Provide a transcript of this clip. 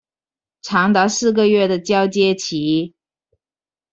長達四個月的交接期